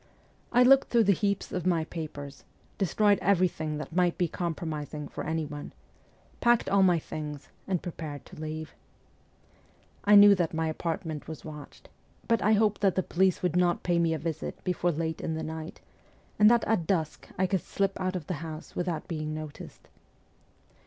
I looked through the heaps of my papers, destroyed everything that might be compromising for anyone, packed all my things, and prepared to leave. I knew that my apartment was watched, but I hoped that the police would not pay me a visit before late in the night, and that at dusk I could slip out of the house without ST. PETERSBURG 127 being noticed.